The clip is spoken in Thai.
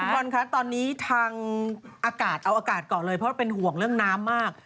บอลคะตอนนี้ทางอากาศเอาอากาศก่อนเลยเพราะเป็นห่วงเรื่องน้ำมาก